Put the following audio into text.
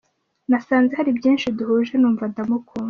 Nasanze hari byinshi duhuje numva ndamukunze.